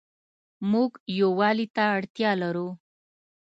موږ يووالي ته اړتيا لرو